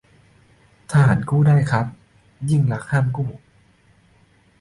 ทหารกู้ได้นะครับ ยิ่งลักษณ์ห้ามกู้